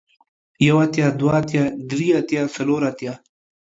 يو اتيا ، دوه اتيا ، دري اتيا ، څلور اتيا ،